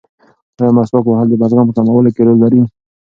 ایا مسواک وهل د بلغم په کمولو کې رول لري؟